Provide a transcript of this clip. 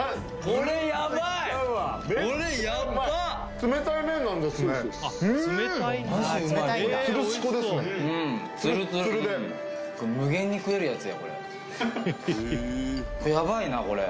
これやばいなこれ。